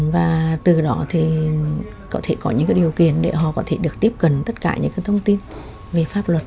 và từ đó thì có thể có những điều kiện để họ có thể được tiếp cận tất cả những cái thông tin về pháp luật